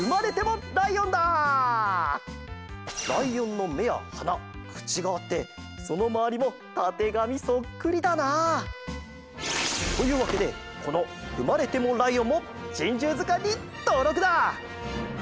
ライオンのめやはなくちがあってそのまわりもたてがみそっくりだな。というわけでこのフマレテモライオンも「珍獣図鑑」にとうろくだ！